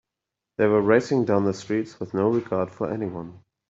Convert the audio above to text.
They were racing down the streets with no regard for anyone.